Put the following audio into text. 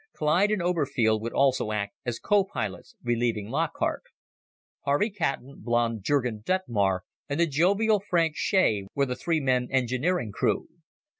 Clyde and Oberfield would also act as copilots relieving Lockhart. Harvey Caton, blond Jurgen Detmar, and the jovial Frank Shea were the three man engineering crew.